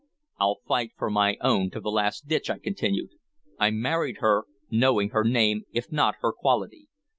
"I'll fight for my own to the last ditch," I continued. "I married her knowing her name, if not her quality.